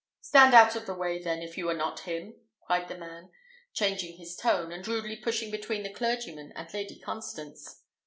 "Stand out of the way, then, if you are not him," cried the man, changing his tone, and rudely pushing between the clergyman and Lady Constance.